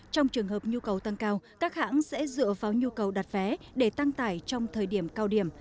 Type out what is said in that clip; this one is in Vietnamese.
trong trường hợp nhu cầu tăng cao các hãng sẽ dựa vào nhu cầu đặt vé để tăng tải trong thời điểm cao điểm